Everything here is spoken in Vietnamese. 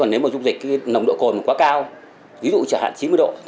nếu mà dung dịch nồng độ cồn quá cao ví dụ chẳng hạn chín mươi độ